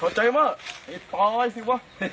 ขอใจมากไอ้ตายสิวะ